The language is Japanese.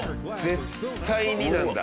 「絶対に」なんだ。